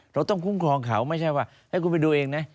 เราต้องคุ้มครองเขาไม่ใช่ว่าให้คุณไปดูเองนะ